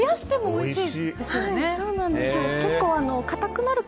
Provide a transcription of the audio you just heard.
おいしい。